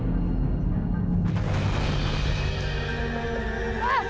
ini dia viii si binak